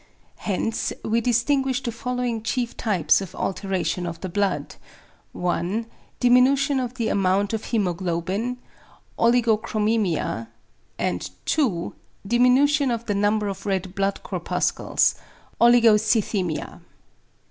Hence we distinguish the following chief types of alteration of the blood; (1) diminution of the amount of Hæmoglobin (=Oligochromæmia=), and (2) diminution of the number of red blood corpuscles (=Oligocythæmia=).